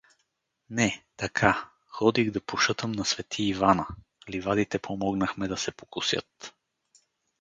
— Не, така, ходих да пошътам на свети Ивана, ливадите помогнахме да се покосят.